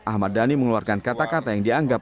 ahmad dhani mengeluarkan kata kata yang dianggap